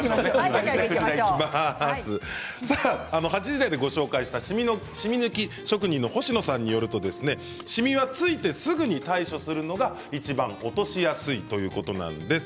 ８時台でご紹介したしみ抜き職人の星野さんによりますとしみはついてすぐに対処するのがいちばん落としやすいということなんです。